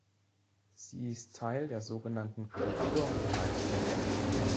Sie ist Teil der so genannten „Kulturhoheit“ der Länder.